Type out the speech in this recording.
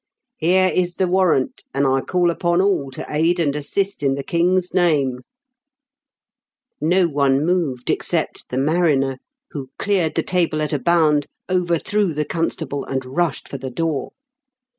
"Here is the warrant, and I call upon all to aid and assist in the King's name/' No one moved except the mariner, who cleared the table at a bound, overthrew the constable, and rushed for the door.